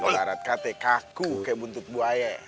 dih arat kate kaku kayak buntut buaya